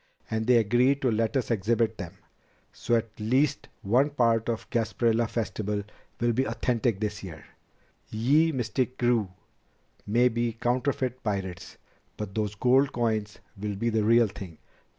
And they agreed to let us exhibit them. So at least one part of the Gasparilla Festival will be authentic this year. Ye Mystic Krewe may be counterfeit pirates, but those gold coins will be the real thing.